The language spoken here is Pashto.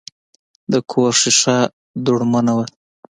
د کور شیشه دوړمنه وه.